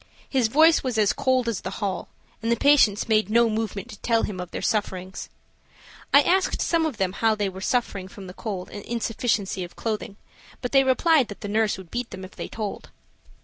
His voice was as cold as the hall, and the patients made no movement to tell him of their sufferings. I asked some of them to tell how they were suffering from the cold and insufficiency of clothing, but they replied that the nurse would beat them if they told.